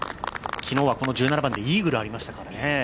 昨日はこの１７番でイーグル、ありましたからね。